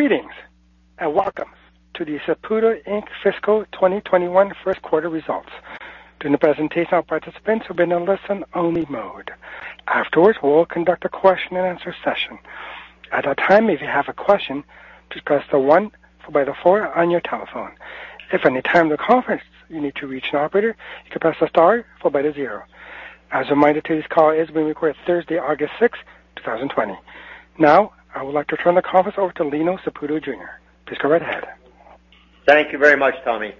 Greetings, welcome to the Saputo Inc fiscal 2021 first quarter results. During the presentation, all participants will be in a listen-only mode. Afterwards, we will conduct a question-and-answer session. As a reminder, today's call is being recorded Thursday, August 6, 2020. Now, I would like to turn the conference over to Lino Saputo Jr. Please go right ahead. Thank you very much, Tommy.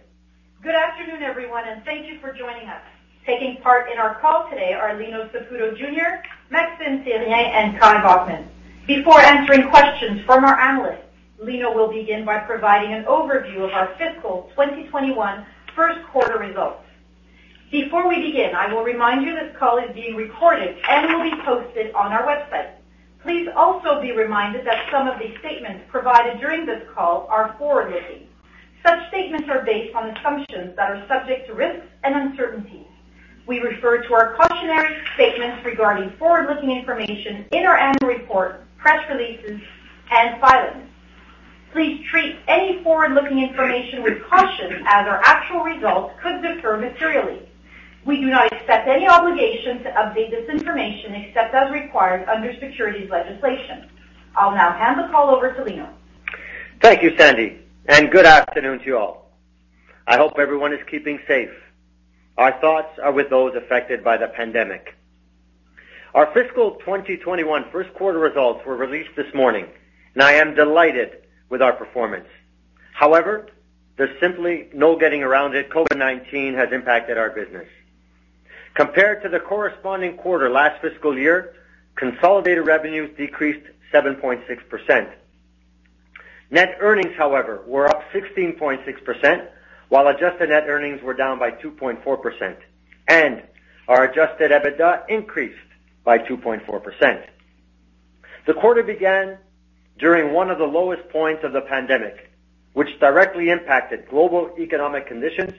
Good afternoon, everyone, and thank you for joining us. Taking part in our call today are Lino Saputo Jr., Maxime Therrien, and Kai Bockmann. Before answering questions from our analysts, Lino will begin by providing an overview of our fiscal 2021 first quarter results. Before we begin, I will remind you this call is being recorded and will be posted on our website. Please also be reminded that some of the statements provided during this call are forward-looking. Such statements are based on assumptions that are subject to risks and uncertainties. We refer to our cautionary statements regarding forward-looking information in our annual report, press releases, and filings. Please treat any forward-looking information with caution, as our actual results could differ materially. We do not accept any obligation to update this information except as required under securities legislation. I'll now hand the call over to Lino. Thank you, Sandy, and good afternoon to you all. I hope everyone is keeping safe. Our thoughts are with those affected by the pandemic. Our fiscal 2021 first quarter results were released this morning, and I am delighted with our performance. However, there's simply no getting around it, COVID-19 has impacted our business. Compared to the corresponding quarter last fiscal year, consolidated revenues decreased 7.6%. Net earnings, however, were up 16.6%, while adjusted net earnings were down by 2.4%, and our adjusted EBITDA increased by 2.4%. The quarter began during one of the lowest points of the pandemic, which directly impacted global economic conditions,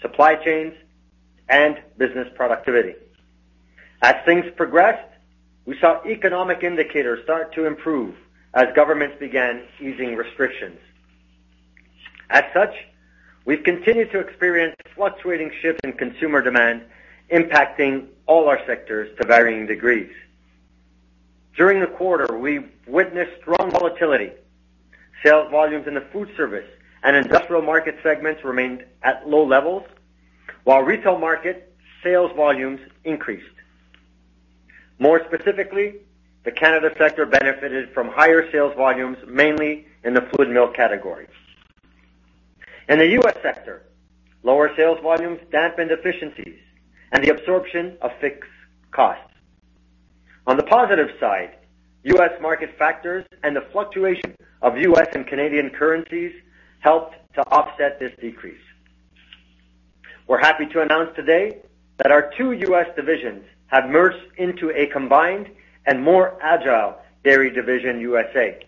supply chains, and business productivity. As things progressed, we saw economic indicators start to improve as governments began easing restrictions. As such, we've continued to experience fluctuating shifts in consumer demand, impacting all our sectors to varying degrees. During the quarter, we witnessed strong volatility. Sales volumes in the food service and industrial market segments remained at low levels, while retail market sales volumes increased. More specifically, the Canada sector benefited from higher sales volumes, mainly in the fluid milk category. In the U.S. sector, lower sales volumes dampened efficiencies and the absorption of fixed costs. On the positive side, U.S. market factors and the fluctuation of U.S. and Canadian currencies helped to offset this decrease. We're happy to announce today that our two U.S. divisions have merged into a combined and more agile Dairy Division (U.S.A.)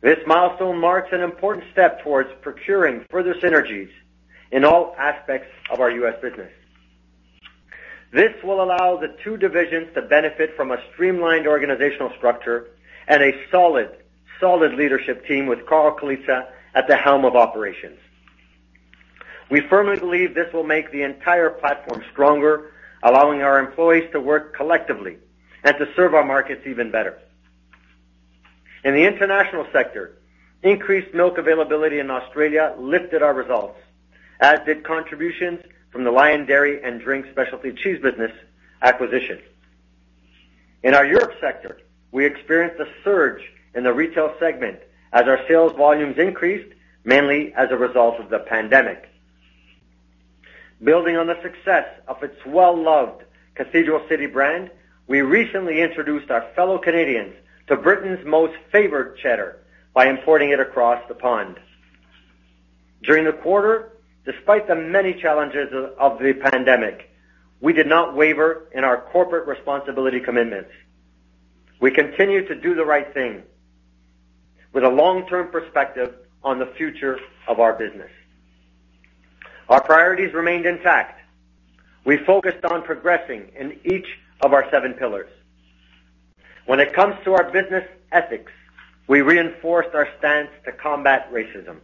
This milestone marks an important step towards procuring further synergies in all aspects of our U.S. business. This will allow the two divisions to benefit from a streamlined organizational structure and a solid leadership team with Carl Colizza at the helm of operations. We firmly believe this will make the entire platform stronger, allowing our employees to work collectively and to serve our markets even better. In the international sector, increased milk availability in Australia lifted our results, as did contributions from the Lion Dairy & Drinks specialty cheese business acquisition. In our Europe sector, we experienced a surge in the retail segment as our sales volumes increased, mainly as a result of the pandemic. Building on the success of its well-loved Cathedral City brand, we recently introduced our fellow Canadians to Britain's most favored cheddar by importing it across the pond. During the quarter, despite the many challenges of the pandemic, we did not waver in our corporate responsibility commitments. We continued to do the right thing with a long-term perspective on the future of our business. Our priorities remained intact. We focused on progressing in each of our seven pillars. When it comes to our business ethics, we reinforced our stance to combat racism.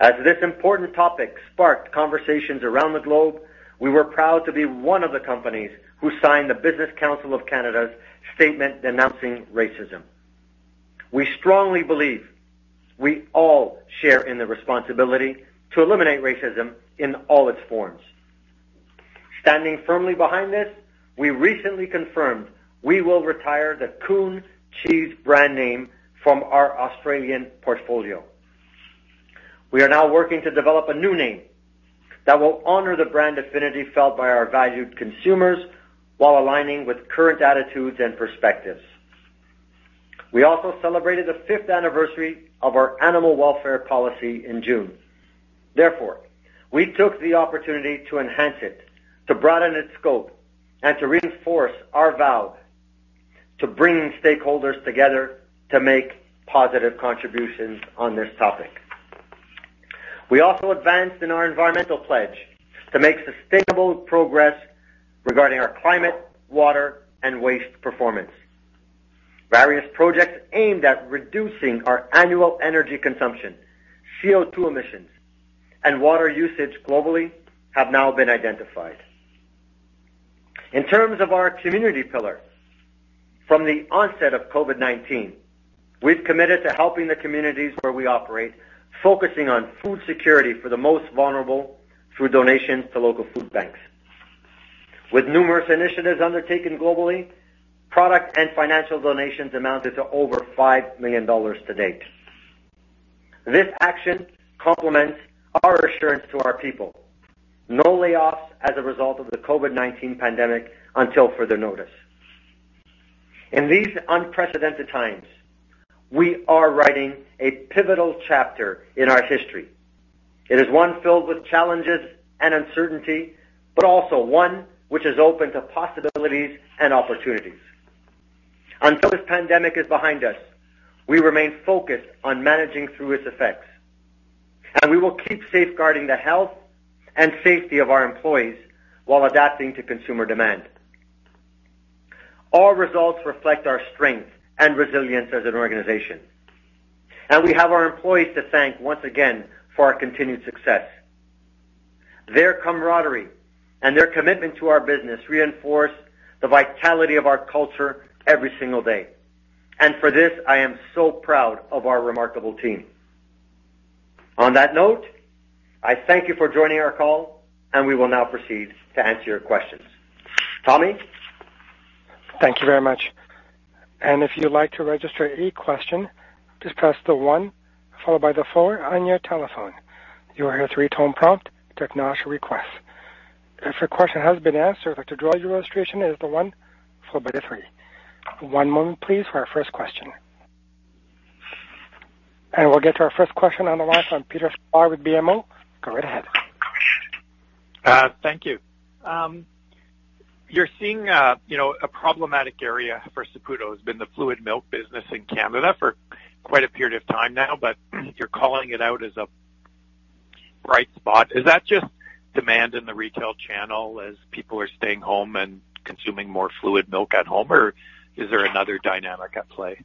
As this important topic sparked conversations around the globe, we were proud to be one of the companies who signed the Business Council of Canada's statement denouncing racism. We strongly believe we all share in the responsibility to eliminate racism in all its forms. Standing firmly behind this, we recently confirmed we will retire the Coon Cheese brand name from our Australian portfolio. We are now working to develop a new name that will honor the brand affinity felt by our valued consumers while aligning with current attitudes and perspectives. We also celebrated the fifth anniversary of our animal welfare policy in June. We took the opportunity to enhance it, to broaden its scope, and to reinforce our vow to bring stakeholders together to make positive contributions on this topic. We also advanced in our environmental pledge to make sustainable progress regarding our climate, water, and waste performance. Various projects aimed at reducing our annual energy consumption, CO2 emissions, and water usage globally have now been identified. In terms of our community pillar, from the onset of COVID-19, we've committed to helping the communities where we operate, focusing on food security for the most vulnerable through donations to local food banks. With numerous initiatives undertaken globally, product and financial donations amounted to over 5 million dollars to date. This action complements our assurance to our people, no layoffs as a result of the COVID-19 pandemic until further notice. In these unprecedented times, we are writing a pivotal chapter in our history. It is one filled with challenges and uncertainty, but also one which is open to possibilities and opportunities. Until this pandemic is behind us, we remain focused on managing through its effects, and we will keep safeguarding the health and safety of our employees while adapting to consumer demand. Our results reflect our strength and resilience as an organization, and we have our employees to thank once again for our continued success. Their camaraderie and their commitment to our business reinforce the vitality of our culture every single day, and for this, I am so proud of our remarkable team. On that note, I thank you for joining our call, and we will now proceed to answer your questions. Tommy? Thank you very much. If you'd like to register any question, just press the one followed by the four on your telephone. You will hear a three-tone prompt to acknowledge your request. If your question has been answered, to withdraw your registration, it is the one followed by the three. One moment please for our first question. We'll get to our first question on the line from Peter Sklar with BMO. Go right ahead. Thank you. You're seeing a problematic area for Saputo has been the fluid milk business in Canada for quite a period of time now, but you're calling it out as a bright spot. Is that just demand in the retail channel as people are staying home and consuming more fluid milk at home, or is there another dynamic at play?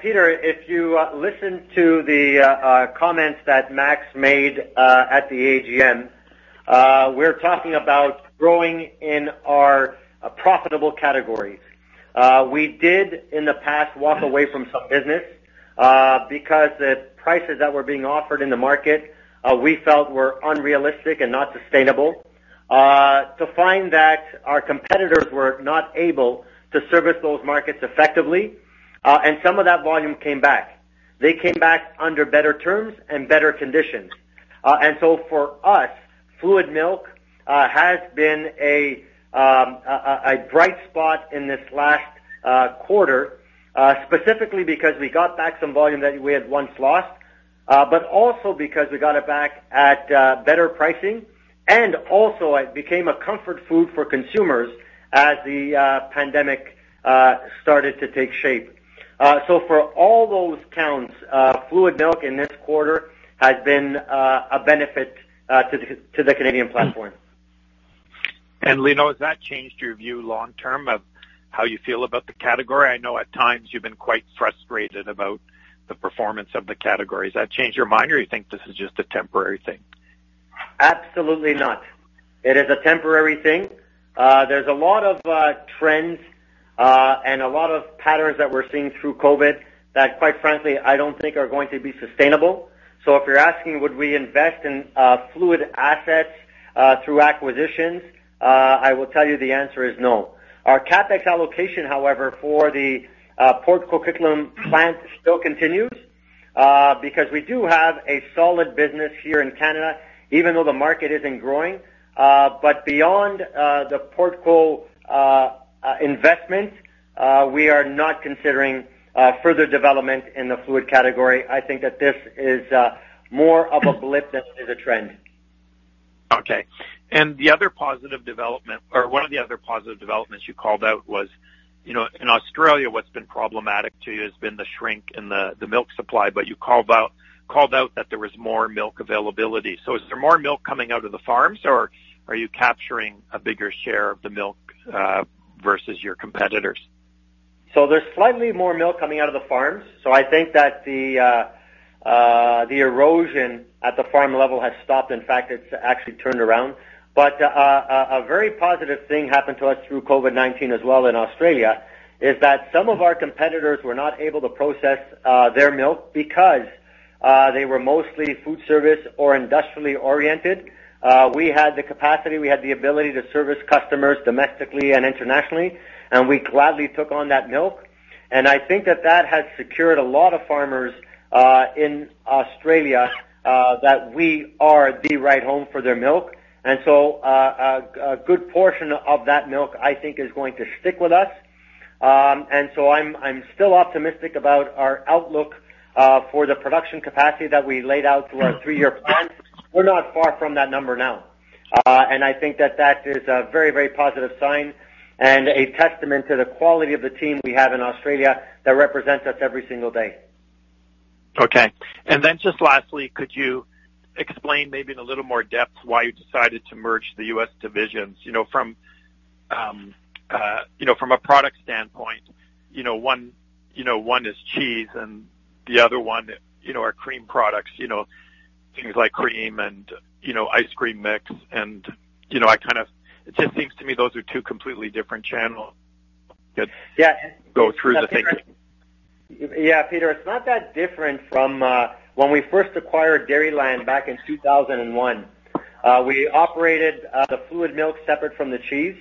Peter, if you listen to the comments that Max made at the AGM, we're talking about growing in our profitable categories. We did, in the past, walk away from some business because the prices that were being offered in the market, we felt were unrealistic and not sustainable to find that our competitors were not able to service those markets effectively, and some of that volume came back. They came back under better terms and better conditions. For us, fluid milk has been a bright spot in this last quarter, specifically because we got back some volume that we had once lost, but also because we got it back at better pricing, and also it became a comfort food for consumers as the pandemic started to take shape. For all those counts, fluid milk in this quarter has been a benefit to the Canadian platform. Lino, has that changed your view long term of how you feel about the category? I know at times you've been quite frustrated about the performance of the category. Has that changed your mind, or you think this is just a temporary thing? Absolutely not. It is a temporary thing. There's a lot of trends and a lot of patterns that we're seeing through COVID that, quite frankly, I don't think are going to be sustainable. If you're asking would we invest in fluid assets through acquisitions, I will tell you the answer is no. Our CapEx allocation, however, for the Port Coquitlam plant still continues because we do have a solid business here in Canada, even though the market isn't growing. Beyond the Port Co investment, we are not considering further development in the fluid category. I think that this is more of a blip than it is a trend. Okay. The other positive development, or one of the other positive developments you called out was in Australia, what has been problematic to you has been the shrink in the milk supply, but you called out that there was more milk availability. Is there more milk coming out of the farms, or are you capturing a bigger share of the milk versus your competitors? There's slightly more milk coming out of the farms. I think that the erosion at the farm level has stopped. In fact, it's actually turned around. A very positive thing happened to us through COVID-19 as well in Australia is that some of our competitors were not able to process their milk because they were mostly food service or industrially oriented. We had the capacity, we had the ability to service customers domestically and internationally, and we gladly took on that milk. I think that that has secured a lot of farmers in Australia that we are the right home for their milk. A good portion of that milk, I think, is going to stick with us. I'm still optimistic about our outlook for the production capacity that we laid out through our three-year plan. We're not far from that number now. I think that is a very positive sign and a testament to the quality of the team we have in Australia that represents us every single day. Okay. Then just lastly, could you explain maybe in a little more depth why you decided to merge the U.S. divisions? From a product standpoint, one is cheese and the other one are cream products, things like cream and ice cream mix. It just seems to me those are two completely different channels. Yeah. Go through the thinking. Yeah, Peter, it's not that different from when we first acquired Dairyland back in 2001. We operated the fluid milk separate from the cheese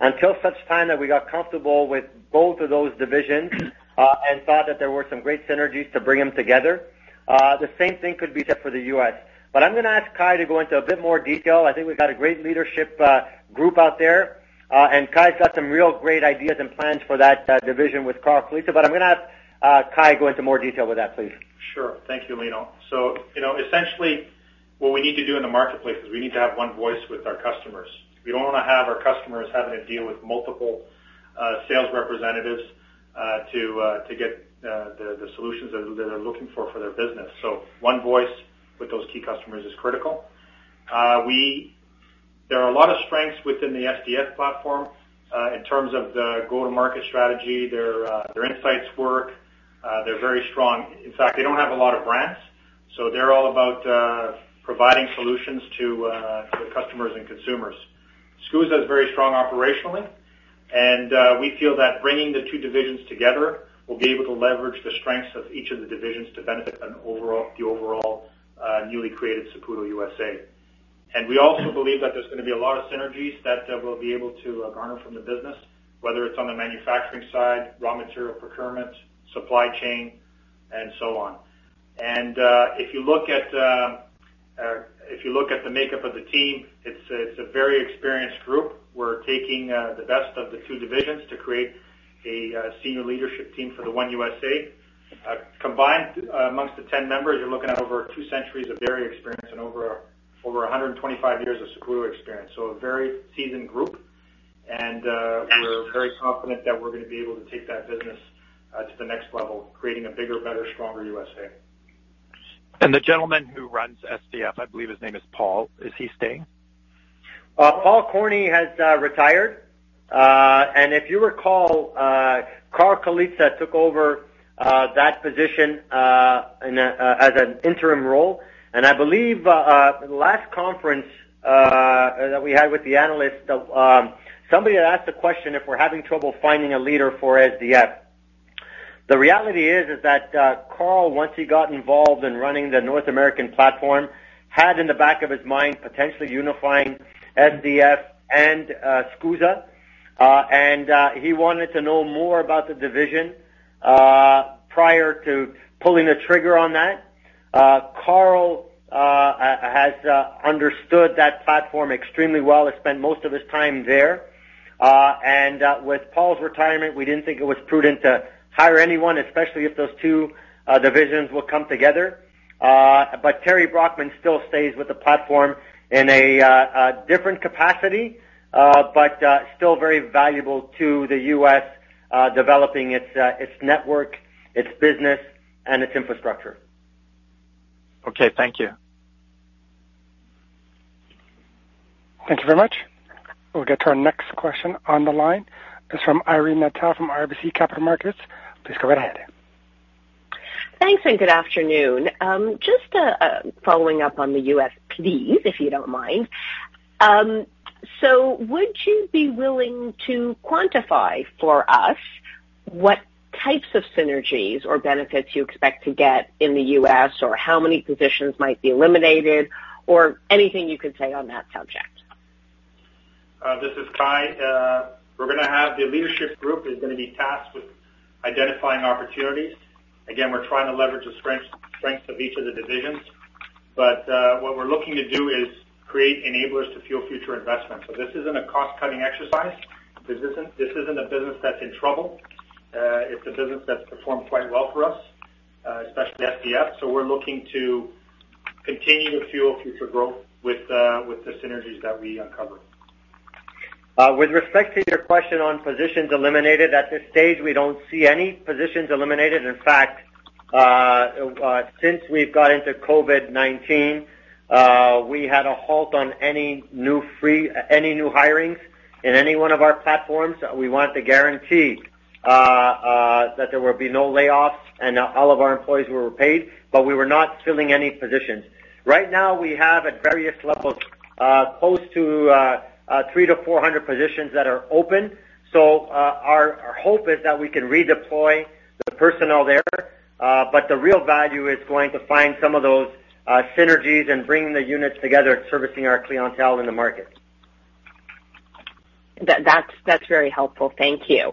until such time that we got comfortable with both of those divisions and thought that there were some great synergies to bring them together. The same thing could be said for the U.S., but I'm going to ask Kai to go into a bit more detail. I think we've got a great leadership group out there, and Kai's got some real great ideas and plans for that division with Carl Colizza, but I'm going to have Kai go into more detail with that, please. Sure. Thank you, Lino. Essentially what we need to do in the marketplace is we need to have one voice with our customers. We don't want to have our customers having to deal with multiple sales representatives to get the solutions that they're looking for their business. One voice with those key customers is critical. There are a lot of strengths within the SDF platform in terms of the go-to-market strategy, their insights work, they're very strong. In fact, they don't have a lot of brands, so they're all about providing solutions to the customers and consumers. SCUSA is very strong operationally, and we feel that bringing the two divisions together, we'll be able to leverage the strengths of each of the divisions to benefit the overall newly created Saputo U.S.A. We also believe that there's going to be a lot of synergies that we'll be able to garner from the business, whether it's on the manufacturing side, raw material procurement, supply chain, and so on. If you look at the makeup of the team, it's a very experienced group. We're taking the best of the two divisions to create a senior leadership team for the one U.S.A. Combined, amongst the 10 members, you're looking at over two centuries of dairy experience and over 125 years of Saputo experience. A very seasoned group, and we're very confident that we're going to be able to take that business to the next level, creating a bigger, better, stronger U.S.A. The gentleman who runs SDF, I believe his name is Paul. Is he staying? Paul Corney has retired. If you recall, Carl Colizza took over that position as an interim role. I believe last conference that we had with the analyst, somebody had asked the question if we're having trouble finding a leader for SDF. The reality is that Carl, once he got involved in running the North American platform, had in the back of his mind, potentially unifying SDF and SCUSA. He wanted to know more about the division prior to pulling the trigger on that. Carl has understood that platform extremely well, has spent most of his time there. With Paul's retirement, we didn't think it was prudent to hire anyone, especially if those two divisions will come together. Terry Brockman still stays with the platform in a different capacity but still very valuable to the U.S. developing its network, its business, and its infrastructure. Okay. Thank you. Thank you very much. We'll get to our next question on the line. It's from Irene Nattel from RBC Capital Markets. Please go right ahead. Thanks, good afternoon. Just following up on the U.S., please, if you don't mind. Would you be willing to quantify for us what types of synergies or benefits you expect to get in the U.S., or how many positions might be eliminated or anything you could say on that subject? This is Kai. We're going to have the leadership group is going to be tasked with identifying opportunities. Again, we're trying to leverage the strengths of each of the divisions. What we're looking to do is create enablers to fuel future investments. This isn't a cost-cutting exercise. This isn't a business that's in trouble. It's a business that's performed quite well for us, especially SDF. We're looking to continue to fuel future growth with the synergies that we uncover. With respect to your question on positions eliminated, at this stage, we don't see any positions eliminated. In fact, since we've got into COVID-19, we had a halt on any new hirings in any one of our platforms. We wanted to guarantee that there would be no layoffs and all of our employees were paid, but we were not filling any positions. Right now, we have at various levels close to 300-400 positions that are open. Our hope is that we can redeploy the personnel there. The real value is going to find some of those synergies and bringing the units together and servicing our clientele in the market. That's very helpful. Thank you.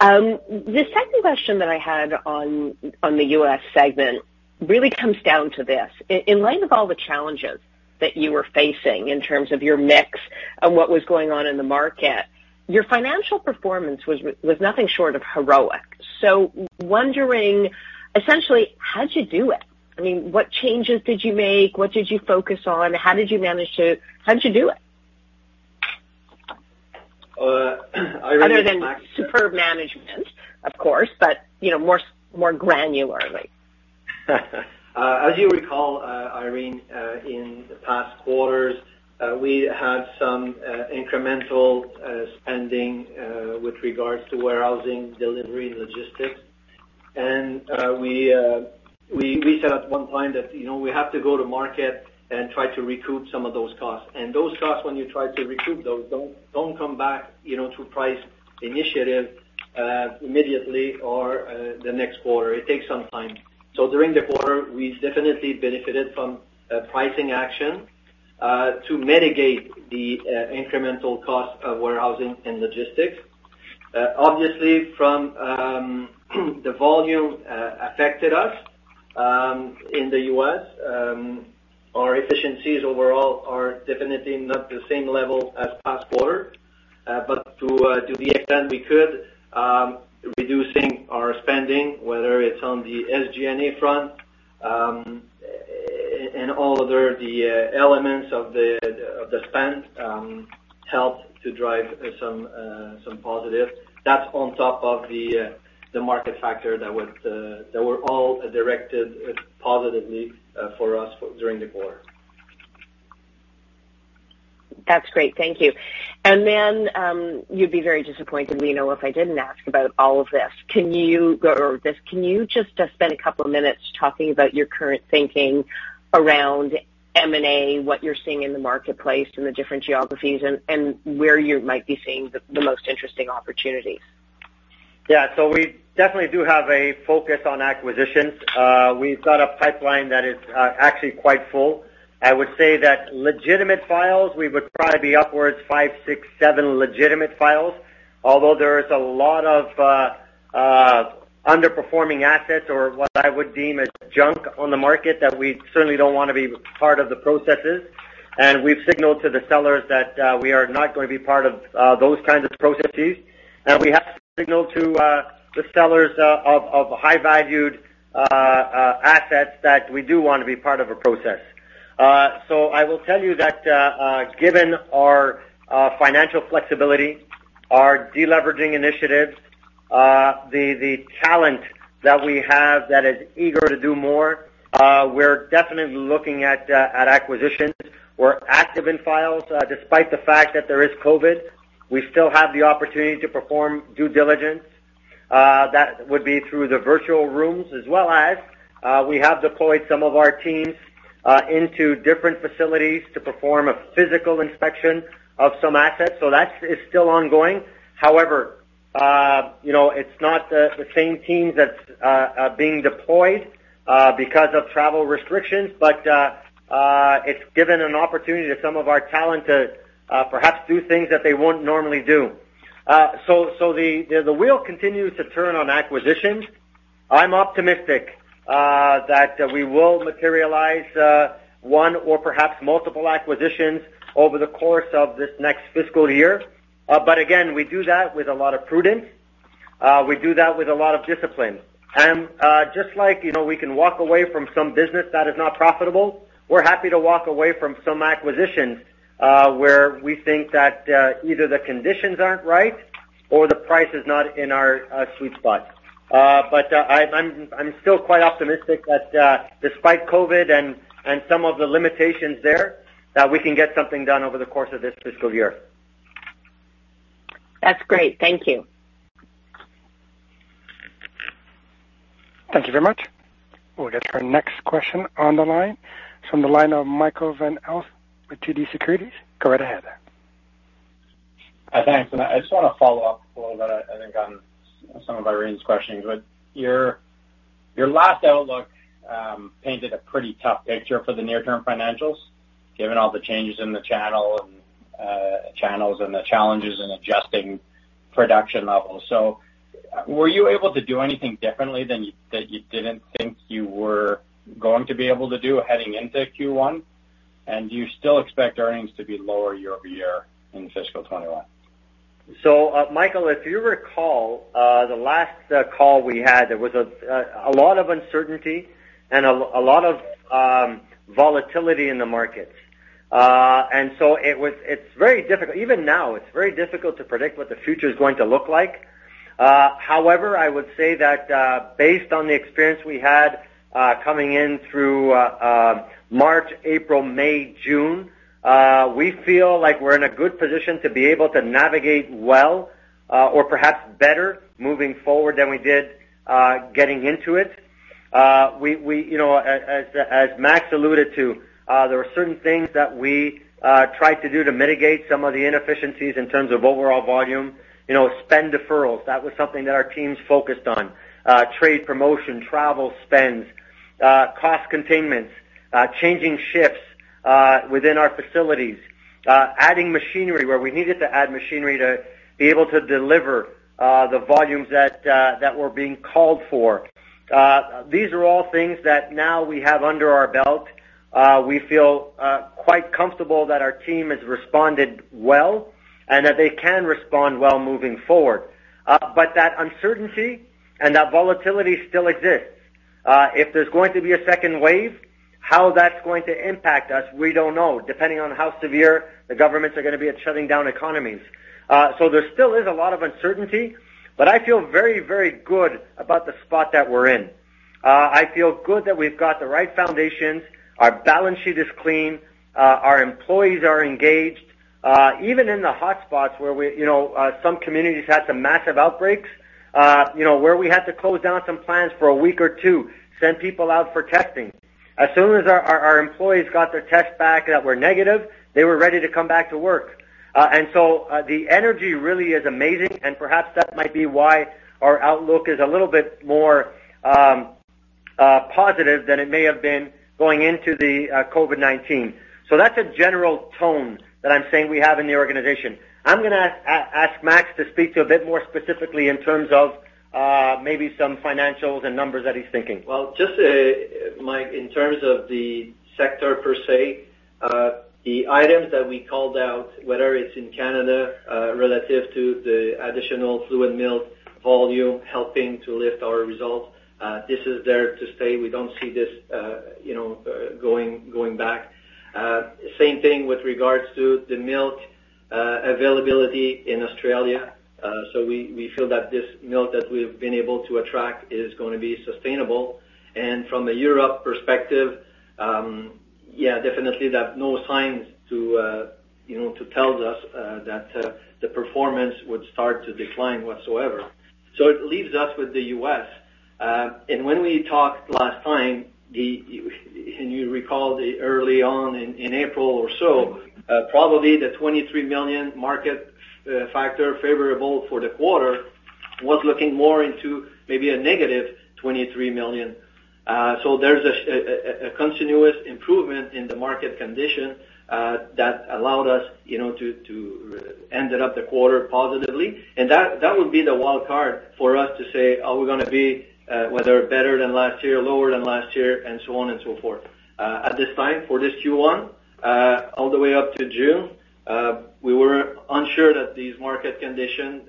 The second question that I had on the U.S. segment really comes down to this. In light of all the challenges that you were facing in terms of your mix-and what was going on in the market. Your financial performance was nothing short of heroic. Wondering, essentially, how'd you do it? What changes did you make? What did you focus on? How'd you do it? Irene, this is Max. Other than superb management, of course, but more granularly. As you recall, Irene, in the past quarters, we had some incremental spending, with regards to warehousing, delivery, and logistics. We said at one point that we have to go to market and try to recoup some of those costs. Those costs, when you try to recoup those, don't come back through price initiative immediately or the next quarter. It takes some time. During the quarter, we've definitely benefited from pricing action, to mitigate the incremental cost of warehousing and logistics. Obviously, from the volume affected us, in the U.S., our efficiencies overall are definitely not the same level as last quarter. To the extent we could, reducing our spending, whether it's on the SG&A front, and all other elements of the spend, helped to drive some positives. That's on top of the market factor that were all directed positively for us during the quarter. That's great. Thank you. You'd be very disappointed, Lino, if I didn't ask about all of this. Can you just spend a couple of minutes talking about your current thinking around M&A, what you're seeing in the marketplace, in the different geographies, and where you might be seeing the most interesting opportunities? We definitely do have a focus on acquisitions. We've got a pipeline that is actually quite full. I would say that legitimate files, we would probably be upwards five, six, seven legitimate files, although there is a lot of underperforming assets or what I would deem as junk on the market that we certainly don't want to be part of the processes. We've signaled to the sellers that we are not going to be part of those kinds of processes. We have signaled to the sellers of high-valued assets that we do want to be part of a process. I will tell you that, given our financial flexibility, our de-leveraging initiatives, the talent that we have that is eager to do more, we're definitely looking at acquisitions. We're active in files. Despite the fact that there is COVID, we still have the opportunity to perform due diligence. That would be through the virtual rooms as well as, we have deployed some of our teams into different facilities to perform a physical inspection of some assets. That is still ongoing. However, it's not the same teams that's being deployed because of travel restrictions. It's given an opportunity to some of our talent to perhaps do things that they won't normally do. The wheel continues to turn on acquisitions. I'm optimistic that we will materialize one or perhaps multiple acquisitions over the course of this next fiscal year. Again, we do that with a lot of prudence. We do that with a lot of discipline. Just like we can walk away from some business that is not profitable, we're happy to walk away from some acquisitions, where we think that either the conditions aren't right or the price is not in our sweet spot. I'm still quite optimistic that despite COVID and some of the limitations there, that we can get something done over the course of this fiscal year. That's great. Thank you. Thank you very much. We'll get our next question on the line from the line of Michael Van Aelst with TD Securities. Go right ahead. Thanks. I just want to follow up a little bit, I think, on some of Irene's questions. Your last outlook painted a pretty tough picture for the near-term financials, given all the changes in the channels and the challenges in adjusting production levels. Were you able to do anything differently that you didn't think you were going to be able to do heading into Q1? Do you still expect earnings to be lower year-over-year in fiscal 2021? Michael, if you recall, the last call we had, there was a lot of uncertainty and a lot of volatility in the markets. It's very difficult. Even now, it's very difficult to predict what the future is going to look like. However, I would say that, based on the experience we had, coming in through March, April, May, June, we feel like we're in a good position to be able to navigate well or perhaps better moving forward than we did getting into it. As Max alluded to, there were certain things that we tried to do to mitigate some of the inefficiencies in terms of overall volume. Spend deferrals, that was something that our teams focused on. Trade promotion, travel spends, cost containments, changing shifts within our facilities, adding machinery where we needed to add machinery to be able to deliver the volumes that were being called for. These are all things that now we have under our belt. We feel quite comfortable that our team has responded well and that they can respond well moving forward. That uncertainty and that volatility still exists. If there's going to be a second wave, how that's going to impact us, we don't know, depending on how severe the governments are going to be at shutting down economies. There still is a lot of uncertainty, but I feel very, very good about the spot that we're in. I feel good that we've got the right foundations. Our balance sheet is clean. Our employees are engaged. Even in the hotspots where some communities had some massive outbreaks, where we had to close down some plants for a week or two, send people out for testing. As soon as our employees got their tests back that were negative, they were ready to come back to work. The energy really is amazing, and perhaps that might be why our outlook is a little bit more positive than it may have been going into the COVID-19. That's a general tone that I'm saying we have in the organization. I'm going to ask Max to speak to a bit more specifically in terms of maybe some financials and numbers that he's thinking. Just, Mike, in terms of the sector per se, the items that we called out, whether it's in Canada, relative to the additional fluid milk volume helping to lift our results, this is there to stay. We don't see this going back. Same thing with regards to the milk availability in Australia. We feel that this milk that we've been able to attract is going to be sustainable. From a Europe perspective, yeah, definitely there are no signs to tell us that the performance would start to decline whatsoever. It leaves us with the U.S. When we talked last time, and you recall early on in April or so, probably the 23 million market factor favorable for the quarter was looking more into maybe a -23 million. There's a continuous improvement in the market condition that allowed us to end the quarter positively. That would be the wild card for us to say, are we going to be better than last year, lower than last year, and so on and so forth. At this time, for this Q1, all the way up to June, we were unsure that these market conditions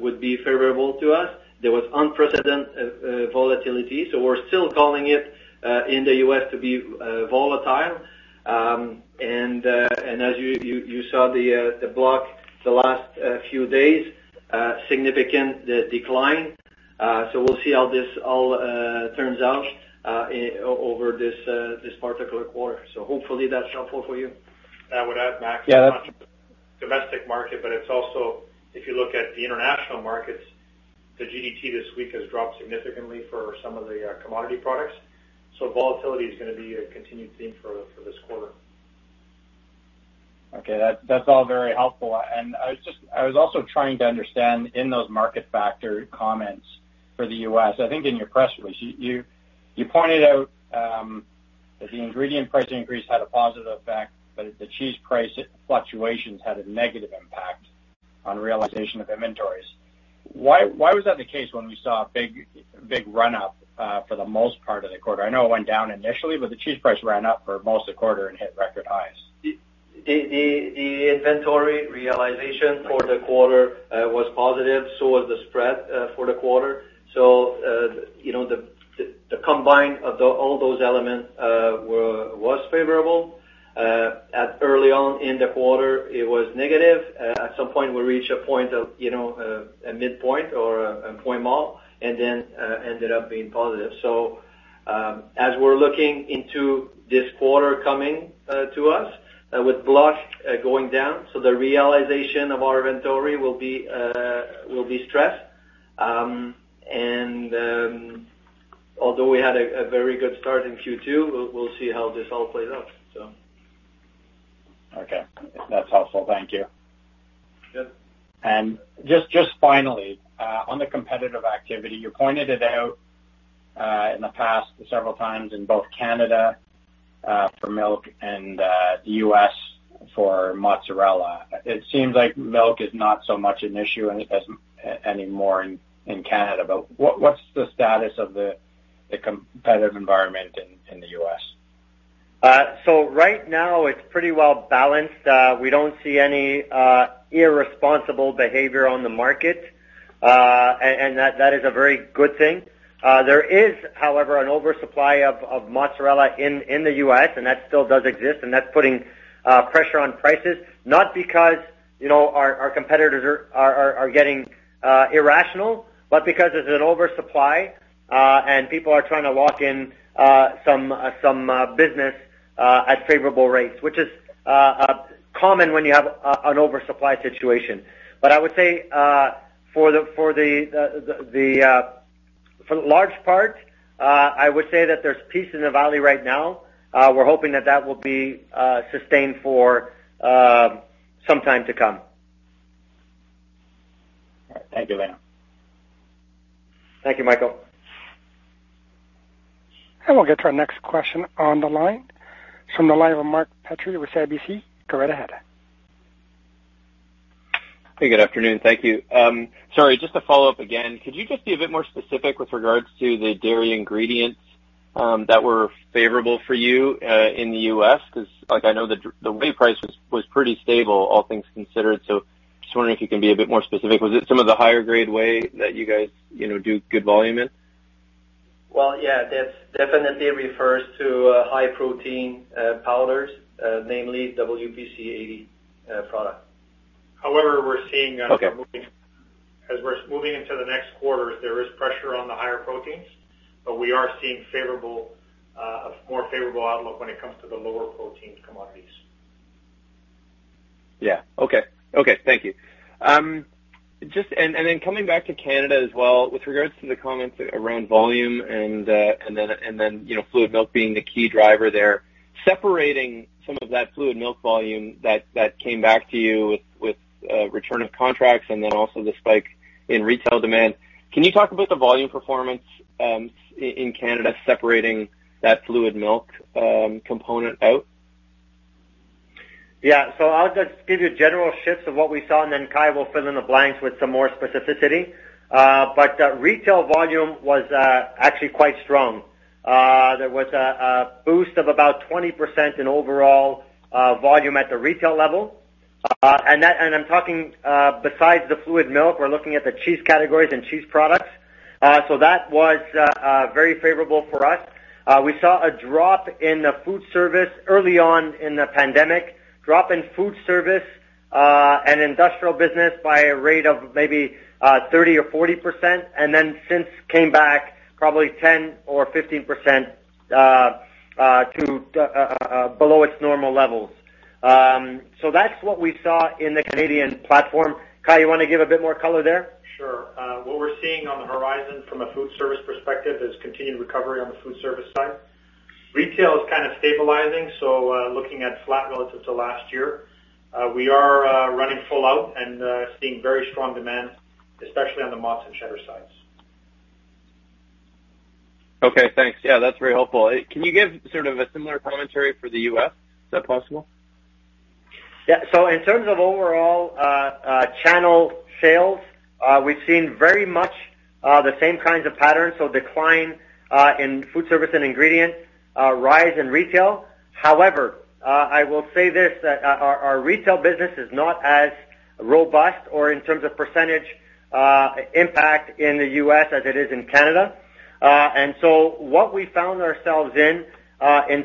would be favorable to us. There was unprecedented volatility, so we're still calling it in the U.S. to be volatile. As you saw the block the last few days, significant decline. We'll see how this all turns out over this particular quarter. Hopefully that's helpful for you. I would add, Max- Yeah. Not just domestic market, but it's also, if you look at the international markets, the GDT this week has dropped significantly for some of the commodity products. Volatility is going to be a continued theme for this quarter. Okay, that's all very helpful. I was also trying to understand in those market factor comments for the U.S., I think in your press release, you pointed out that the ingredient price increase had a positive effect, but the cheese price fluctuations had a negative impact on realization of inventories. Why was that the case when we saw a big run-up for the most part of the quarter? I know it went down initially, but the cheese price ran up for most of the quarter and hit record highs. The inventory realization for the quarter was positive. Was the spread for the quarter. The combined of all those elements was favorable. At early on in the quarter, it was negative. At some point, we reached a midpoint or a point mort, and then ended up being positive. As we're looking into this quarter coming to us, with block going down, so the realization of our inventory will be stressed. Although we had a very good start in Q2, we'll see how this all plays out. Okay. That's helpful. Thank you. Good. Just finally, on the competitive activity, you pointed it out in the past several times in both Canada for milk and the U.S. for mozzarella. It seems like milk is not so much an issue anymore in Canada, but what's the status of the competitive environment in the U.S.? Right now it's pretty well balanced. We don't see any irresponsible behavior on the market, and that is a very good thing. There is, however, an oversupply of mozzarella in the U.S., and that still does exist, and that's putting pressure on prices, not because our competitors are getting irrational, but because there's an oversupply, and people are trying to lock in some business at favorable rates, which is common when you have an oversupply situation. I would say for the large part, I would say that there's peace in the valley right now. We're hoping that that will be sustained for some time to come. All right. Thank you, Lino. Thank you, Michael. We'll get to our next question on the line. From the line of Mark Petrie with CIBC. Go right ahead. Hey, good afternoon. Thank you. Sorry, just to follow up again, could you just be a bit more specific with regards to the dairy ingredients that were favorable for you in the U.S.? I know the whey price was pretty stable, all things considered. Just wondering if you can be a bit more specific. Was it some of the higher grade whey that you guys do good volume in? Well, yeah, that definitely refers to high protein powders, namely WPC80 product. However, we're seeing- Okay as we're moving into the next quarters, there is pressure on the higher proteins, but we are seeing a more favorable outlook when it comes to the lower protein commodities. Yeah. Okay. Thank you. Coming back to Canada as well, with regards to the comments around volume and then fluid milk being the key driver there, separating some of that fluid milk volume that came back to you with return of contracts and then also the spike in retail demand, can you talk about the volume performance in Canada separating that fluid milk component out? Yeah. I'll just give you general shifts of what we saw, and then Kai will fill in the blanks with some more specificity. Retail volume was actually quite strong. There was a boost of about 20% in overall volume at the retail level. I'm talking besides the fluid milk, we're looking at the cheese categories and cheese products. That was very favorable for us. We saw a drop in the food service early on in the pandemic, drop in food service and industrial business by a rate of maybe 30% or 40%, and then since came back probably 10% or 15% to below its normal levels. That's what we saw in the Canadian platform. Kai, you want to give a bit more color there? Sure. What we're seeing on the horizon from a food service perspective is continued recovery on the food service side. Retail is kind of stabilizing, looking at flat relative to last year. We are running full out and seeing very strong demand, especially on the mozz and cheddar sides. Okay, thanks. Yeah, that's very helpful. Can you give sort of a similar commentary for the U.S.? Is that possible? Yeah. In terms of overall channel sales, we've seen very much the same kinds of patterns, decline in food service and ingredient, rise in retail. However, I will say this, that our retail business is not as robust or in terms of percentage impact in the U.S. as it is in Canada. What we found ourselves in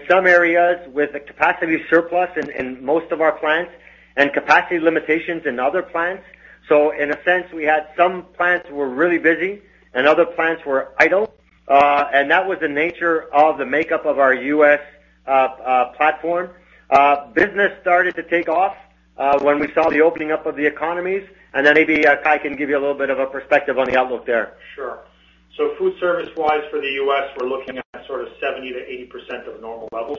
some areas with a capacity surplus in most of our plants and capacity limitations in other plants. In a sense, we had some plants were really busy and other plants were idle. That was the nature of the makeup of our U.S. platform. Business started to take off when we saw the opening up of the economies, and then maybe Kai can give you a little bit of a perspective on the outlook there. Sure. Food service-wise for the U.S., we're looking at sort of 70%-80% of normal levels.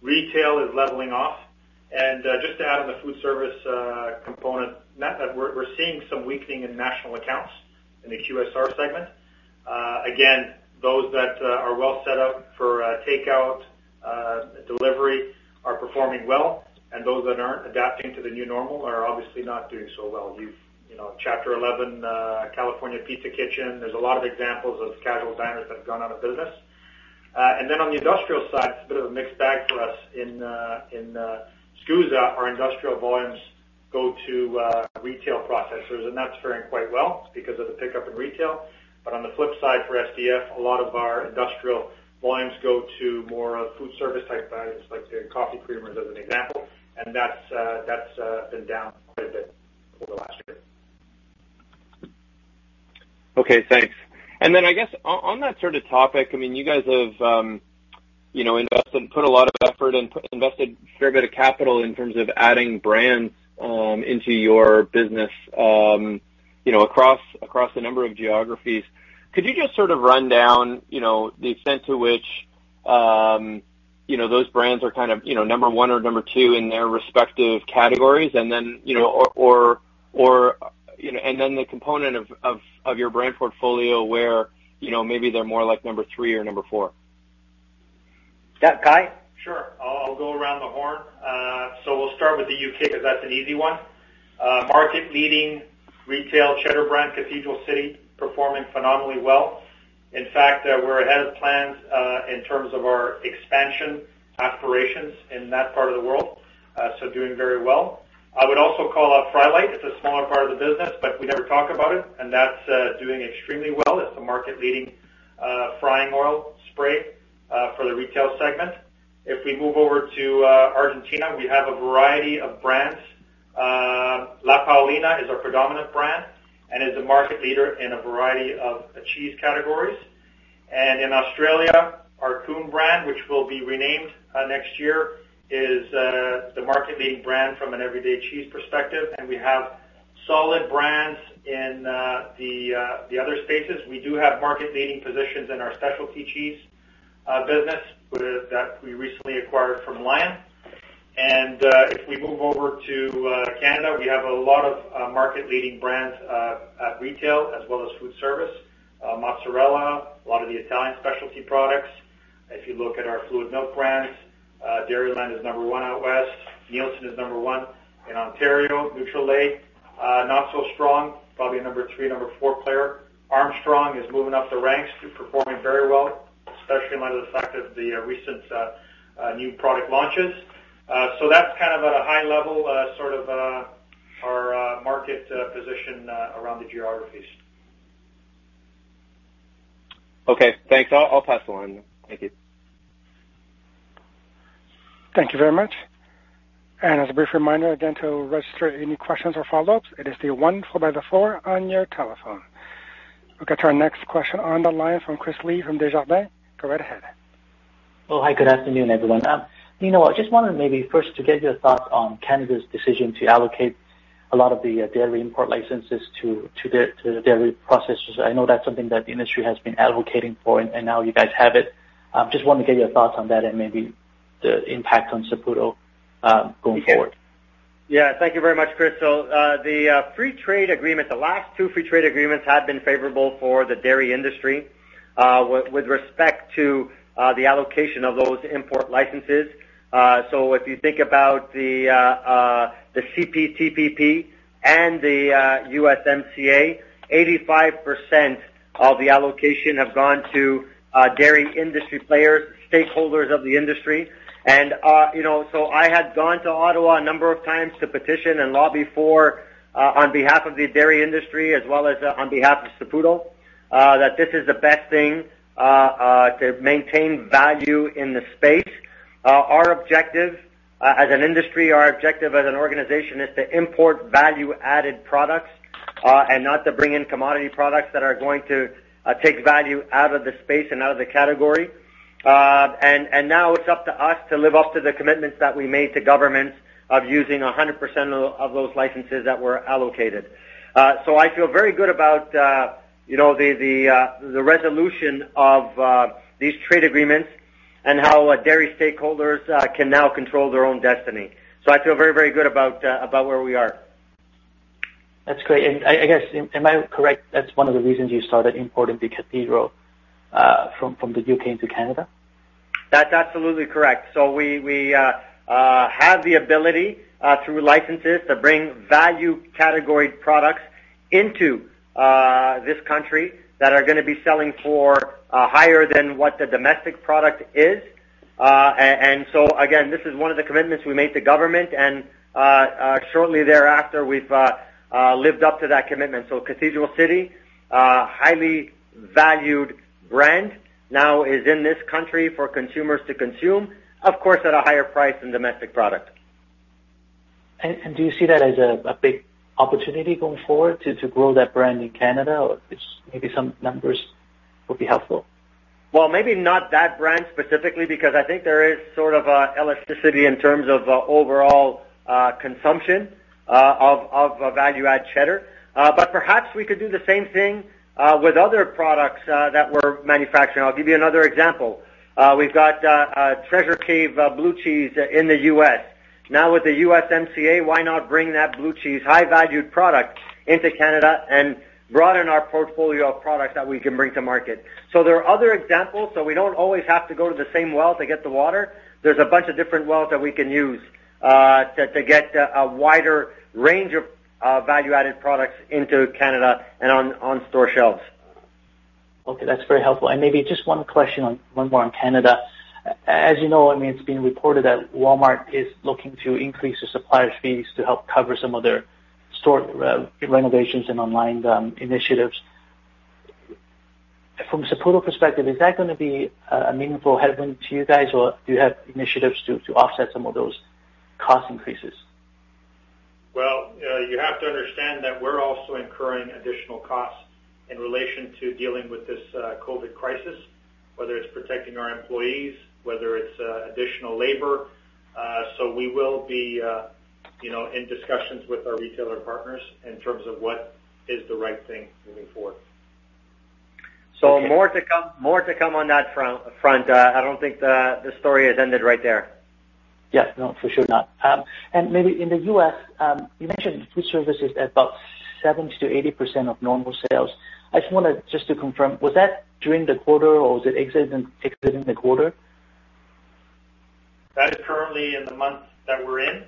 Retail is leveling off. Just to add on the food service component, we're seeing some weakening in national accounts in the QSR segment. Again, those that are well set up for takeout, delivery are performing well, and those that aren't adapting to the new normal are obviously not doing so well. Chapter 11, California Pizza Kitchen, there's a lot of examples of casual diners that have gone out of business. On the industrial side, it's a bit of a mixed bag for us. In SCUSA, our industrial volumes go to retail processors, and that's faring quite well because of the pickup in retail. On the flip side, for SDF, a lot of our industrial volumes go to more food service-type values, like say, coffee creamers as an example. That's been down quite a bit over the last year. Okay, thanks. I guess on that sort of topic, you guys have put a lot of effort and invested a fair bit of capital in terms of adding brands into your business across a number of geographies. Could you just sort of run down the extent to which those brands are kind of number one or number two in their respective categories, and then the component of your brand portfolio where maybe they're more like number three or number four? Yeah. Kai? Sure. I'll go around the horn. We'll start with the U.K. because that's an easy one. Market-leading retail cheddar brand, Cathedral City, performing phenomenally well. In fact, we're ahead of plans in terms of our expansion aspirations in that part of the world. Doing very well. I would also call out Frylight. It's a smaller part of the business, but we never talk about it, and that's doing extremely well. It's a market-leading frying oil spray for the retail segment. If we move over to Argentina, we have a variety of brands. La Paulina is our predominant brand and is a market leader in a variety of cheese categories. In Australia, our Coon brand, which will be renamed next year, is the market-leading brand from an everyday cheese perspective. We have solid brands in the other spaces. We do have market-leading positions in our specialty cheese business that we recently acquired from Lion. If we move over to Canada, we have a lot of market-leading brands at retail as well as food service, mozzarella, a lot of the Italian specialty products. If you look at our fluid milk brands, Dairyland is number one out West. Neilson is number one in Ontario. Nutrilait, not so strong, probably number three, number four player. Armstrong is moving up the ranks to performing very well, especially in light of the fact of the recent new product launches. That's kind of a high level sort of our market position around the geographies. Okay, thanks. I'll pass along. Thank you. Thank you very much. As a brief reminder, again, to register any questions or follow-ups. We'll get to our next question on the line from Chris Li from Desjardins. Go right ahead. Oh, hi. Good afternoon, everyone. Lino, I just wanted maybe first to get your thoughts on Canada's decision to allocate a lot of the dairy import licenses to dairy processors. I know that's something that the industry has been advocating for, and now you guys have it. Just wanted to get your thoughts on that and maybe the impact on Saputo going forward. Yeah. Thank you very much, Chris. The last two free trade agreements have been favorable for the dairy industry with respect to the allocation of those import licenses. If you think about the CPTPP and the USMCA, 85% of the allocation have gone to dairy industry players, stakeholders of the industry. I had gone to Ottawa a number of times to petition and lobby on behalf of the dairy industry as well as on behalf of Saputo, that this is the best thing to maintain value in the space. Our objective as an industry, our objective as an organization is to import value-added products and not to bring in commodity products that are going to take value out of the space and out of the category. Now it's up to us to live up to the commitments that we made to governments of using 100% of those licenses that were allocated. I feel very good about the resolution of these trade agreements and how dairy stakeholders can now control their own destiny. I feel very, very good about where we are. That's great. I guess, am I correct, that's one of the reasons you started importing the Cathedral from the U.K. into Canada? That's absolutely correct. We have the ability, through licenses, to bring value category products into this country that are going to be selling for higher than what the domestic product is. Again, this is one of the commitments we made to government, and shortly thereafter, we've lived up to that commitment. Cathedral City, a highly valued brand, now is in this country for consumers to consume, of course, at a higher price than domestic product. Do you see that as a big opportunity going forward to grow that brand in Canada? Or just maybe some numbers would be helpful. Well, maybe not that brand specifically, because I think there is sort of a elasticity in terms of overall consumption of value-add cheddar. Perhaps we could do the same thing with other products that we're manufacturing. I'll give you another example. We've got Treasure Cave blue cheese in the U.S. With the USMCA, why not bring that blue cheese, high-valued product, into Canada and broaden our portfolio of products that we can bring to market? There are other examples, so we don't always have to go to the same well to get the water. There's a bunch of different wells that we can use to get a wider range of value-added products into Canada and on store shelves. Okay, that's very helpful. Maybe just one question, one more on Canada. As you know, it's been reported that Walmart is looking to increase the supplier fees to help cover some of their store renovations and online initiatives. From Saputo perspective, is that going to be a meaningful headwind to you guys, or do you have initiatives to offset some of those cost increases? Well, you have to understand that we're also incurring additional costs in relation to dealing with this COVID crisis, whether it's protecting our employees, whether it's additional labor. We will be in discussions with our retailer partners in terms of what is the right thing moving forward. Okay. More to come on that front. I don't think the story has ended right there. Yeah, no, for sure not. Maybe in the U.S., you mentioned food service is at about 70%-80% of normal sales. I just wanted to confirm, was that during the quarter or was it exiting the quarter? That is currently in the month that we're in.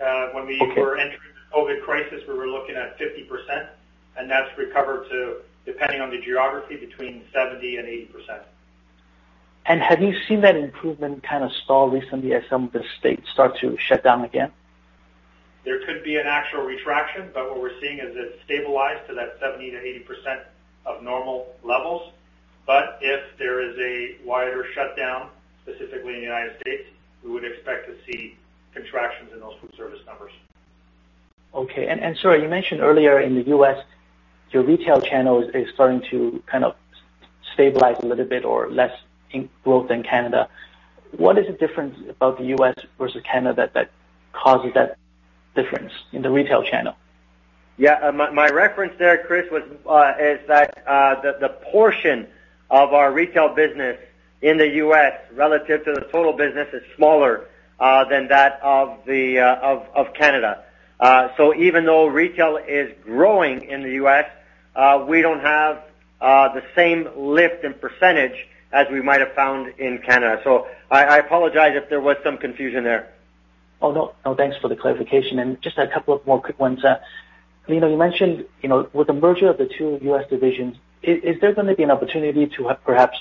Okay. When we were entering the COVID crisis, we were looking at 50%, and that's recovered to, depending on the geography, between 70% and 80%. Have you seen that improvement kind of stall recently as some of the states start to shut down again? There could be an actual retraction, but what we're seeing is it's stabilized to that 70%-80% of normal levels. If there is a wider shutdown, specifically in the United States, we would expect to see contractions in those food service numbers. Okay. Sorry, you mentioned earlier in the U.S., your retail channel is starting to kind of stabilize a little bit or less in growth than Canada. What is the difference about the U.S. versus Canada that causes that difference in the retail channel? Yeah. My reference there, Chris, is that the portion of our retail business in the U.S. relative to the total business is smaller than that of Canada. Even though retail is growing in the U.S. We don't have the same lift in percentage as we might have found in Canada. I apologize if there was some confusion there. Oh, no. Thanks for the clarification. Just a couple of more quick ones. You mentioned with the merger of the two U.S. divisions, is there going to be an opportunity to perhaps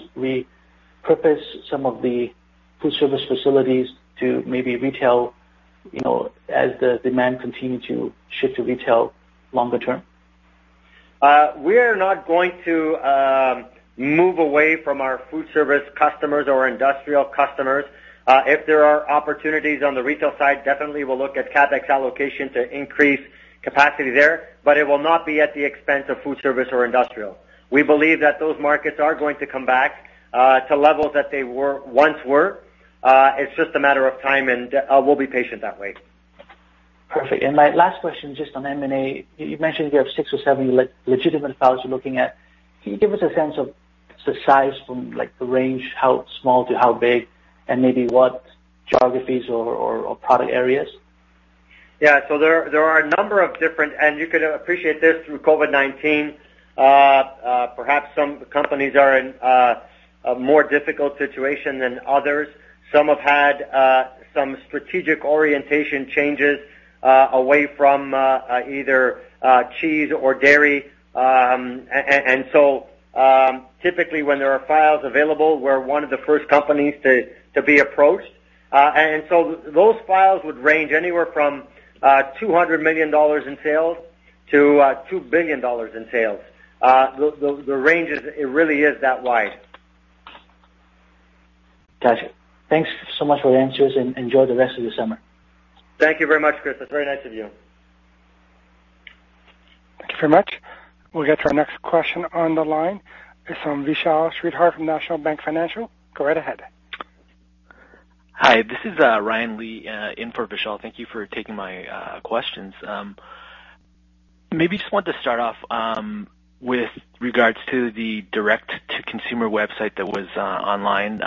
repurpose some of the food service facilities to maybe retail as the demand continue to shift to retail longer term? We are not going to move away from our food service customers or industrial customers. If there are opportunities on the retail side, definitely we'll look at CapEx allocation to increase capacity there, but it will not be at the expense of food service or industrial. We believe that those markets are going to come back to levels that they once were. It's just a matter of time, and we'll be patient that way. Perfect. My last question, just on M&A, you mentioned you have six or seven legitimate files you're looking at. Can you give us a sense of the size from the range, how small to how big, and maybe what geographies or product areas? There are a number of different, and you could appreciate this through COVID-19, perhaps some companies are in a more difficult situation than others. Some have had some strategic orientation changes away from either cheese or dairy. Typically, when there are files available, we're one of the first companies to be approached. Those files would range anywhere from 200 million dollars in sales to 2 billion dollars in sales. The range, it really is that wide. Got you. Thanks so much for the answers, and enjoy the rest of your summer. Thank you very much, Chris. That's very nice of you. Thank you very much. We'll get to our next question on the line. It's from Vishal Shreedhar from National Bank Financial. Go right ahead. Hi, this is Ryan Li in for Vishal. Thank you for taking my questions. Maybe just want to start off with regards to the direct-to-consumer website that was online.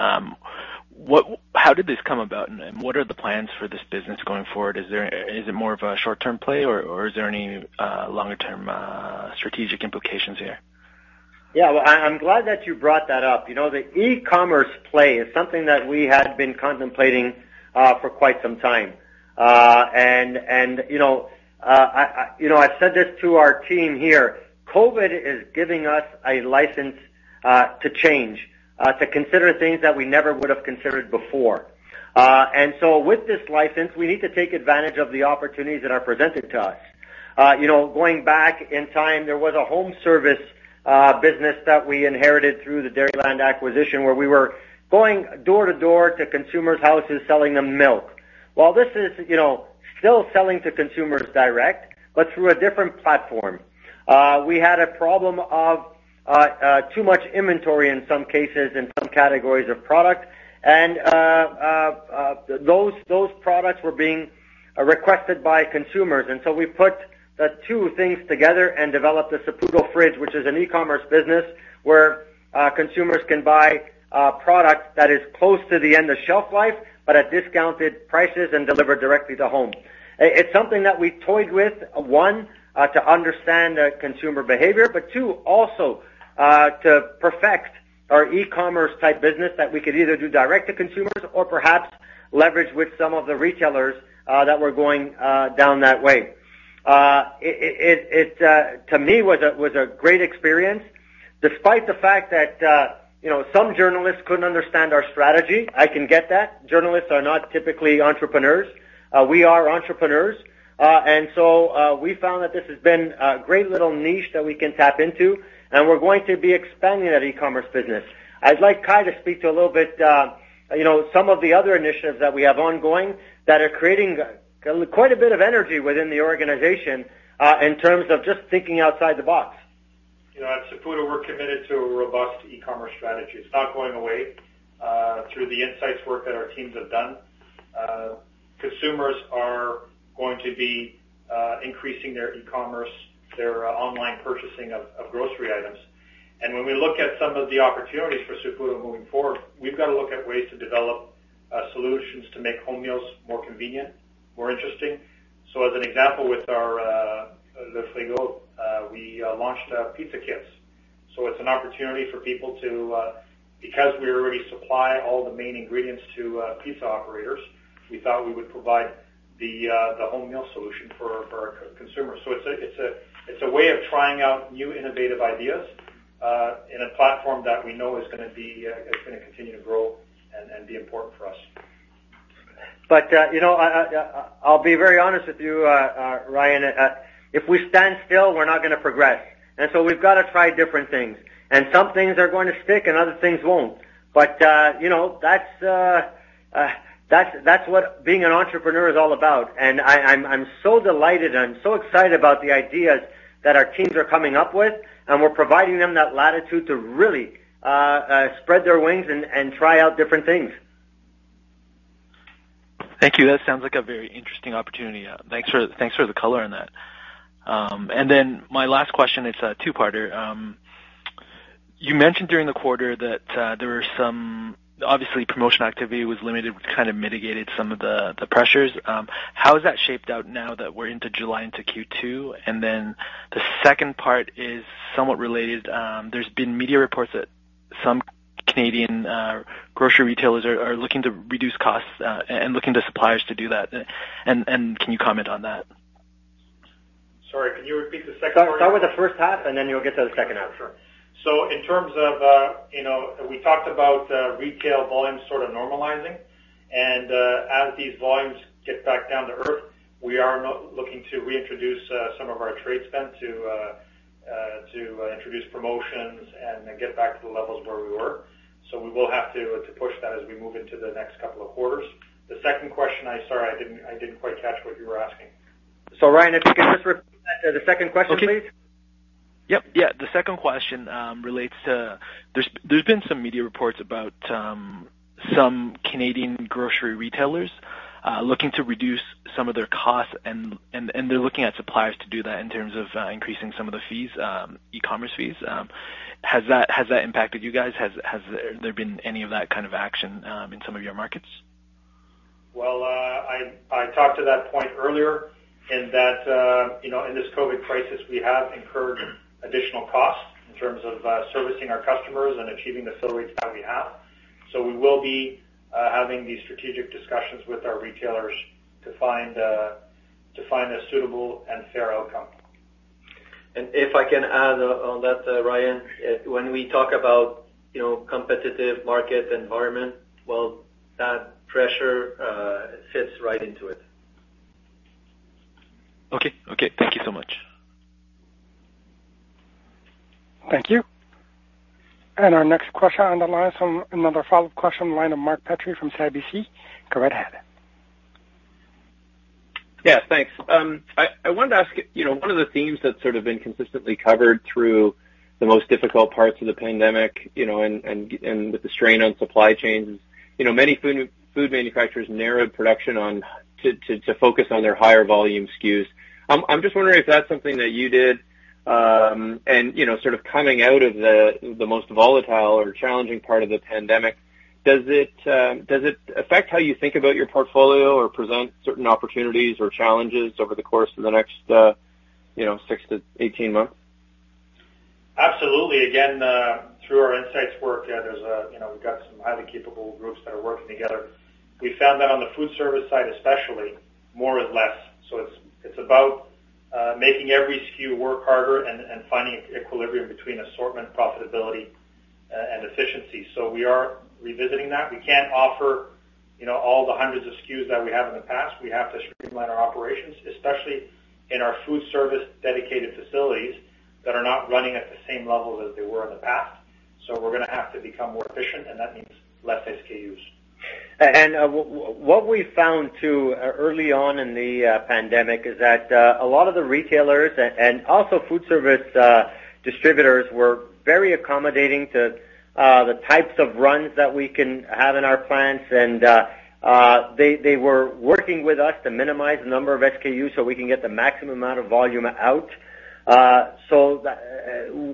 How did this come about, and what are the plans for this business going forward? Is it more of a short-term play, or is there any longer-term strategic implications here? Yeah. Well, I'm glad that you brought that up. The e-commerce play is something that we had been contemplating for quite some time. I said this to our team here, COVID is giving us a license to change, to consider things that we never would have considered before. With this license, we need to take advantage of the opportunities that are presented to us. Going back in time, there was a home service business that we inherited through the Dairyland acquisition, where we were going door to door to consumers' houses, selling them milk. While this is still selling to consumers direct, but through a different platform. We had a problem of too much inventory in some cases, in some categories of product. Those products were being requested by consumers. We put the two things together and developed The Saputo Fridge, which is an e-commerce business where consumers can buy a product that is close to the end of shelf life, but at discounted prices and delivered directly to home. It's something that we toyed with, one, to understand consumer behavior, but two, also to perfect our e-commerce type business that we could either do direct to consumers or perhaps leverage with some of the retailers that were going down that way. It, to me, was a great experience, despite the fact that some journalists couldn't understand our strategy. I can get that. Journalists are not typically entrepreneurs. We are entrepreneurs. We found that this has been a great little niche that we can tap into, and we're going to be expanding that e-commerce business. I'd like Kai to speak to a little bit, some of the other initiatives that we have ongoing that are creating quite a bit of energy within the organization in terms of just thinking outside the box. At Saputo, we're committed to a robust e-commerce strategy. It's not going away. Through the insights work that our teams have done, consumers are going to be increasing their e-commerce, their online purchasing of grocery items. When we look at some of the opportunities for Saputo moving forward, we've got to look at ways to develop solutions to make home meals more convenient, more interesting. As an example, with Le Frigo, we launched pizza kits. It's an opportunity for people to, because we already supply all the main ingredients to pizza operators, we thought we would provide the home meal solution for our consumers. It's a way of trying out new innovative ideas in a platform that we know is going to continue to grow and be important for us. I'll be very honest with you, Ryan, if we stand still, we're not going to progress. We've got to try different things, and some things are going to stick, and other things won't. That's what being an entrepreneur is all about. I'm so delighted, and I'm so excited about the ideas that our teams are coming up with, and we're providing them that latitude to really spread their wings and try out different things. Thank you. That sounds like a very interesting opportunity. Thanks for the color on that. My last question is a two-parter. You mentioned during the quarter that obviously promotion activity was limited, which kind of mitigated some of the pressures. How has that shaped out now that we're into July, into Q2? The second part is somewhat related. There's been media reports that some Canadian grocery retailers are looking to reduce costs and looking to suppliers to do that. Can you comment on that? Sorry, can you repeat the second part? Start with the first half, and then you'll get to the second half. Sure. In terms of, we talked about retail volumes sort of normalizing, and as these volumes get back down to earth, we are looking to reintroduce some of our trade spend to introduce promotions and then get back to the levels where we were. We will have to push that as we move into the next couple of quarters. The second question, sorry, I didn't quite catch what you were asking. Ryan, if you can just repeat the second question, please. Okay. Yep. Yeah. The second question relates to, there has been some media reports about some Canadian grocery retailers looking to reduce some of their costs and they are looking at suppliers to do that in terms of increasing some of the e-commerce fees. Has that impacted you guys? Has there been any of that kind of action in some of your markets? Well, I talked to that point earlier in that, in this COVID crisis, we have incurred additional costs in terms of servicing our customers and achieving the fill rates that we have. We will be having these strategic discussions with our retailers to find a suitable and fair outcome. If I can add on that, Ryan, when we talk about competitive market environment, well, that pressure sits right into it. Okay. Thank you so much. Thank you. Our next question on the line, another follow-up question on the line of Mark Petrie from CIBC. Go right ahead. Yeah. Thanks. I wanted to ask, one of the themes that sort of been consistently covered through the most difficult parts of the pandemic, and with the strain on supply chains, many food manufacturers narrowed production to focus on their higher volume SKUs. I'm just wondering if that's something that you did, and sort of coming out of the most volatile or challenging part of the pandemic, does it affect how you think about your portfolio or present certain opportunities or challenges over the course of the next 6-18 months? Absolutely. Through our insights work, we've got some highly capable groups that are working together. We found that on the food service side especially, more is less. It's about making every SKU work harder and finding equilibrium between assortment profitability, and efficiency. We are revisiting that. We can't offer all the hundreds of SKUs that we have in the past. We have to streamline our operations, especially in our food service dedicated facilities that are not running at the same level that they were in the past. We're going to have to become more efficient, and that means less SKUs. What we found, too, early on in the pandemic is that a lot of the retailers and also food service distributors were very accommodating to the types of runs that we can have in our plants and they were working with us to minimize the number of SKUs so we can get the maximum amount of volume out.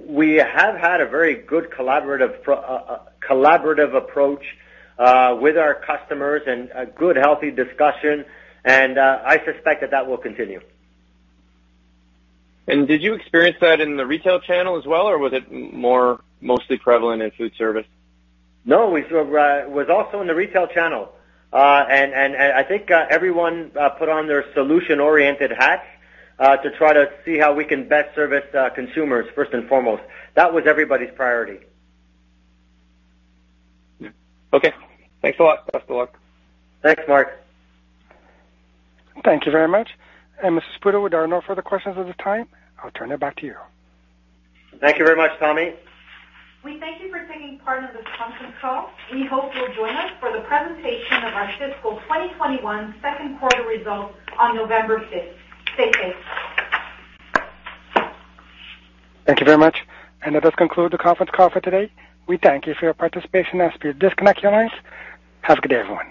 We have had a very good collaborative approach with our customers and a good, healthy discussion and I suspect that that will continue. Did you experience that in the retail channel as well, or was it more mostly prevalent in food service? No, it was also in the retail channel. I think everyone put on their solution-oriented hats to try to see how we can best service consumers first and foremost. That was everybody's priority. Okay. Thanks a lot. Best of luck. Thanks, Mark. Thank you very much. Mr. Saputo, there are no further questions at the time. I'll turn it back to you. Thank you very much, Tommy. We thank you for taking part in this conference call. We hope you'll join us for the presentation of our fiscal 2021 second quarter results on November 5th. Stay safe. Thank you very much, and that does conclude the conference call for today. We thank you for your participation as we disconnect your lines. Have a good day, everyone.